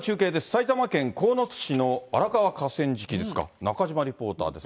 埼玉県鴻巣市の荒川河川敷ですか、中島リポーターです。